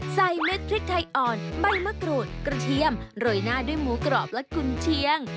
เม็ดพริกไทยอ่อนใบมะกรูดกระเทียมโรยหน้าด้วยหมูกรอบและกุญเชียง